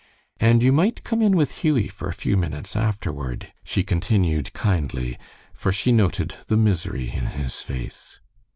"And you might come in with Hughie for a few minutes afterward," she continued, kindly, for she noted the misery in his face.